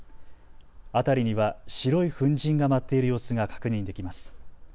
辺りには白い粉じんが舞っている様子が確認できます。